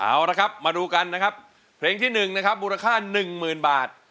เอาละครับมาดูกันนะครับเพลงที่๑นะครับมูลค่า๑๐๐๐บาท